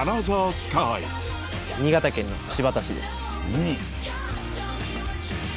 スカイ新潟県の新発田市です。